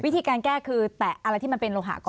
วิธีการแก้คือแตะอะไรที่มันเป็นโลหะก่อน